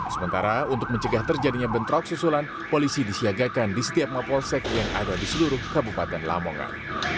sementara untuk mencegah terjadinya bentrok susulan polisi disiagakan di setiap mapolsek yang ada di seluruh kabupaten lamongan